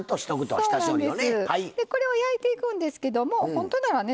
これを焼いていくんですけども本当ならね